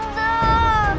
aku akan menang